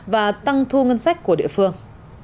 và tăng thu ngân sách của địa phương